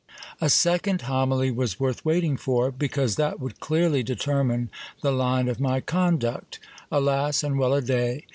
A second homily was worth waiting for ; because that would clearly determine the line of my conduct. Alas, and well a day